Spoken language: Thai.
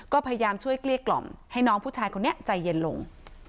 ก็พยายามช่วยเกลี้ยกล่อมให้น้องผู้ชายคนนี้ใจเย็นลง